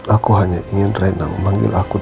aku hanya ingin rena tahu